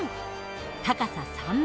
高さ３ｍ。